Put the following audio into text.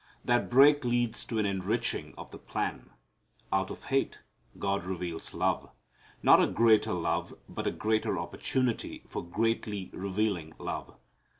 That break leads to an enriching of the plan. Out of hate God reveals love. Not a greater love, but a greater opportunity for greatly revealing love.